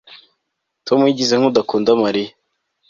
Tom yigize nkudakunda Mariya